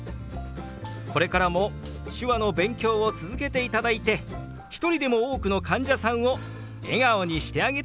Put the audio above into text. これからも手話の勉強を続けていただいて一人でも多くの患者さんを笑顔にしてあげてくださいね。